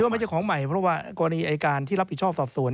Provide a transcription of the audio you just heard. ไม่ใช่ของใหม่เพราะว่ากรณีอายการที่รับผิดชอบสอบสวน